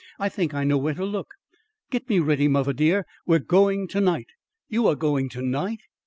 I think I know where to look. Get me ready, mother dear; we are going to night." "You are going to night?"